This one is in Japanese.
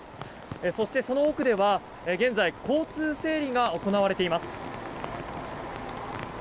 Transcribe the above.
そして、その奥では現在交通整理が行われています。